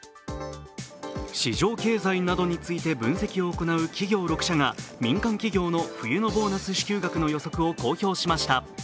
市場経済などについて分析を行う企業６社が民間企業の冬のボーナス支給額の予測を公表しました。